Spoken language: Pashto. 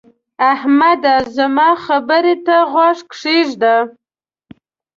احمده! زما خبرې ته غوږ کېږده.